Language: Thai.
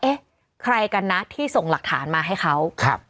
เอ๊ะใครกันนะที่ส่งหลักฐานมาให้เขาครับ